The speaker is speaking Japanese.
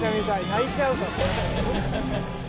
泣いちゃうかも。